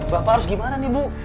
bapak harus gimana nih bu